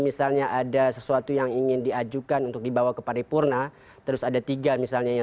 misalnya ada sesuatu yang ingin diajukan untuk dibawa ke paripurna terus ada tiga misalnya yang